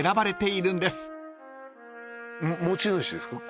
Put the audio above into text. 持ち主ですか？